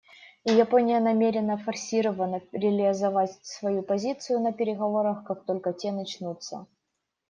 И Япония намерена форсировано реализовывать свою позицию на переговорах, как только те начнутся.